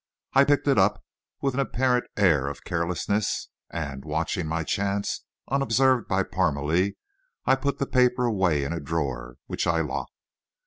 I picked it up with an apparent air of carelessness, and, watching my chance, unobserved by Parmalee, I put the paper away in a drawer, which I locked.